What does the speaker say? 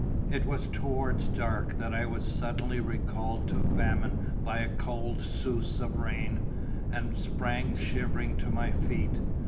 It was towards dark that I was suddenly recalled to famine by a cold souse of rain, and sprang shivering to my feet.